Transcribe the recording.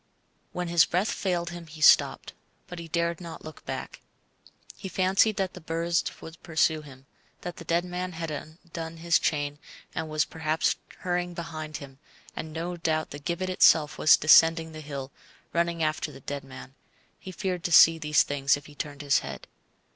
When his breath failed him he stopped, but he dared not look back. He fancied that the birds would pursue him, that the dead man had undone his chain and was perhaps hurrying behind him, and no doubt the gibbet itself was descending the hill, running after the dead man; he feared to see these things if he turned his head.